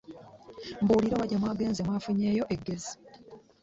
Mbuulira oba gye mwagenze mwafunyeeyo eggezi.